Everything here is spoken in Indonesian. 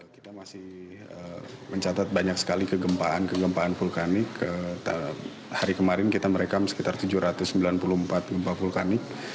kita masih mencatat banyak sekali kegempaan kegempaan vulkanik hari kemarin kita merekam sekitar tujuh ratus sembilan puluh empat gempa vulkanik